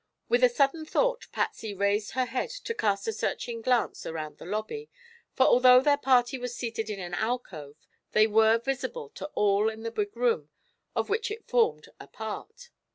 With a sudden thought Patsy raised her head to cast a searching glance around the lobby, for although their party was seated in an alcove they were visible to all in the big room of which it formed a part.